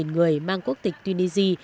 năm người mang quốc tịch tuy di di